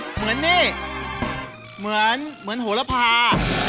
เหมือนนี่เหมือนโหลภา